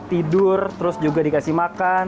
tidur terus juga dikasih makan